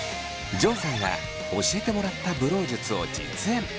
ジョンさんが教えてもらったブロー術を実演。